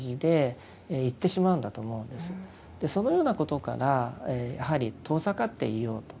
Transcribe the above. そのようなことからやはり遠ざかっていようと。